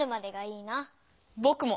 ぼくも。